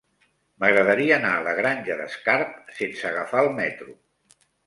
M'agradaria anar a la Granja d'Escarp sense agafar el metro.